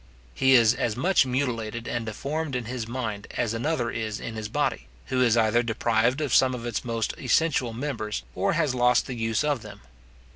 He is as much mutilated and deformed in his mind as another is in his body, who is either deprived of some of its most essential members, or has lost the use of them.